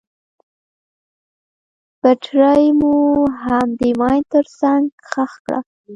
بټرۍ مو هم د ماين تر څنګ ښخه کړه.